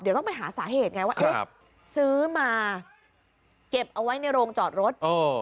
เดี๋ยวต้องไปหาสาเหตุไงว่าเอ๊ะซื้อมาเก็บเอาไว้ในโรงจอดรถ